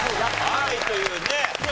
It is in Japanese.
はいというね。